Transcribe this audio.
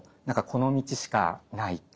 何かこの道しかない。